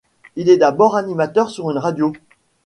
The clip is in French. Il est d'abord animateur sur une radio.